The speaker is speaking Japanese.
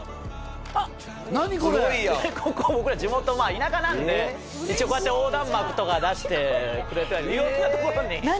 僕ら地元田舎なんで一応こうやって横断幕とか出してくれて色んなところに何？